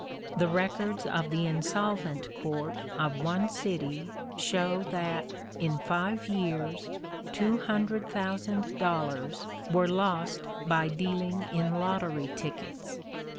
The records of the Insolvent Court of one city show that, in five years, two hundred thousand dollars were lost by dealing in lottery tickets.